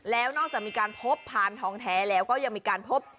แล้วนอกจากมีการพบพานทองแท้แล้วก็ยังมีการพบ